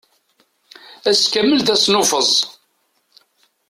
Ass kamel d asnuffeẓ.